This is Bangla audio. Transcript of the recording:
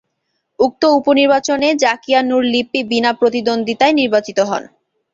উক্ত উপনির্বাচনে জাকিয়া নূর লিপি বিনা প্রতিদ্বন্দিতায় নির্বাচিত হন।